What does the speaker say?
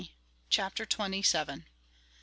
Chapter Twenty seventh.